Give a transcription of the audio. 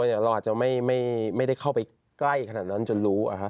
แต่เราอาจจะไม่ได้เข้าไปใกล้ขนาดนั้นจนรู้